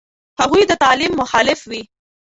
هغوی دې د تعلیم مخالف وي.